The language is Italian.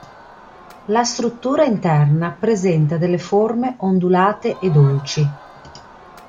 La struttura interna presenta delle forme ondulate e dolci.